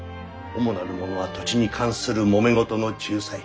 主なるものは土地に関するもめ事の仲裁。